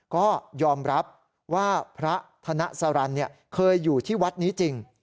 ก็ยอมรับว่าพระธนสรรเคยอยู่ที่วัดนี้จริง